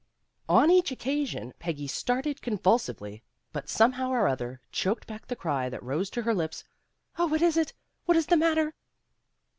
On each occasion Peggy started con vulsively, but somehow or other choked back the cry that rose to her lips, "Oh, what is it? What is the matter?"